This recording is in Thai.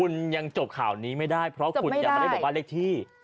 คุณยังจบข่าวนี้ไม่ได้เพราะคุณอยากมาเลขที่